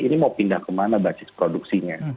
ini mau pindah ke mana basis produksinya